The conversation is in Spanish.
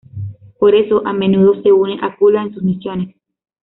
Por eso, a menudo se une a Kula en sus misiones.